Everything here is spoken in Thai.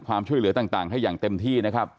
ความช่วยเหลือต่างให้อย่างเต็มที่นะครับ